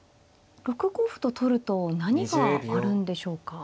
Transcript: ６五歩と取ると何があるんでしょうか。